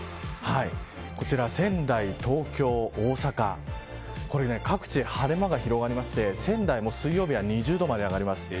こちら仙台、東京、大阪各地で晴れ間が広がりまして仙台も水曜日は２０度まで上がります。